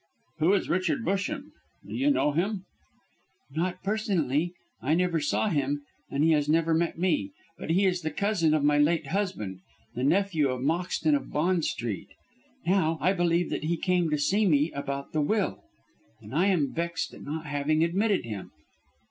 "Who is Richard Busham? Do you know him?" "Not personally. I never saw him, and he has never met me. But he is the cousin of my late husband, the nephew of Moxton of Bond Street. Now, I believe that he came to see me about the will, and I am vexed at not having admitted him."